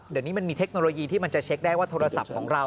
เดี๋ยวนี้มันมีเทคโนโลยีที่มันจะเช็คได้ว่าโทรศัพท์ของเรา